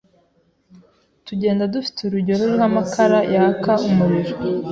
tugenda dufite urujyo ruriho amakara yaka umuriro